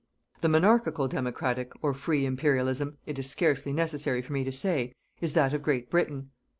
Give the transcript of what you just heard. The Monarchical Democratic or free Imperialism it is scarcely necessary for me to say is that of Great Britain.